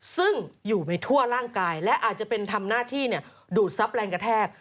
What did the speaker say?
ซึ่งอยู่ในทั่วร่างกายและอาจจะเป็นทำหน้าที่ดูดทรัพย์แรงกระแทก